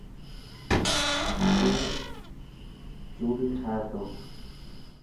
اي چوڙي ٺاهي تو.